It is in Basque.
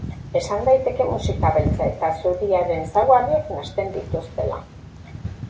Esan daiteke musika beltza eta zuriaren ezaugarriak nahasten dituztela.